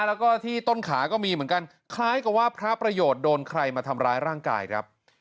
แล้วก็ที่ต้นขาก็มีเหมือนกันคล้ายกับว่าพระประโยชน์โดนใครมาทำร้ายร่างกายครับ